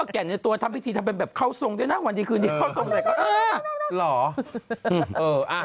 แก่นใหม่ตัวทำพิธีทำเป็นแบบเข้าทรงด้วยนะวันนี้คืนนี้เข้าทรงใส่เขาอ่ะ